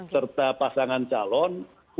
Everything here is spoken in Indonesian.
serta pasangan calon untuk bisa meyakinkan